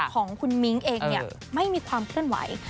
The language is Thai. ของคุณมิ้งเองไม่มีความเคลื่อนไหว